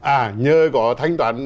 à nhờ có thanh toán